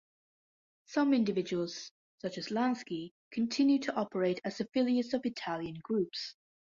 Some individuals, such as Lansky, continued to operate as affiliates of Italian groups.